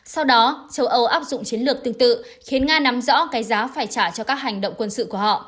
sau đó châu âu áp dụng chiến lược tương tự khiến nga nắm rõ cái giá phải trả cho các hành động quân sự của họ